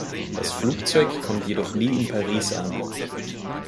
Das Flugzeug kommt jedoch nie in Paris an.